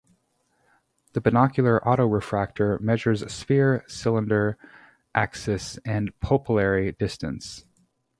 The binocular auto-refractor measures sphere, cylinder, axis and pupillary distance.